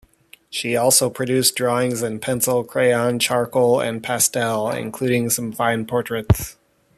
She also produced drawings in pencil, crayon, charcoal and pastel, including some fine portraits.